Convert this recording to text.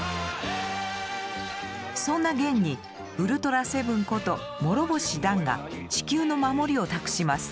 そんなゲンにウルトラセブンことモロボシ・ダンが地球の守りを託します。